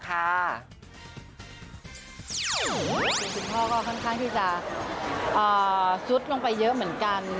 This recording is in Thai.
คือคุณพ่อก็ค่อนข้างที่จะซุดลงไปเยอะเหมือนกัน